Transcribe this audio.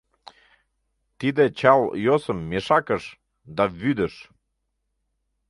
Тиде чал йосым Мешакыш да — вӱдыш!